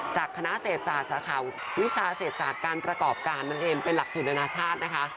จากคณะเศรษฐศาสตร์นะคะวิชาเศรษฐการประกอบการนั้นเองเป็นหลักศึกรนาชาตินะคะ